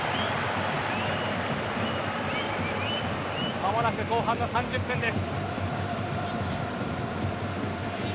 間もなく後半の３０分です。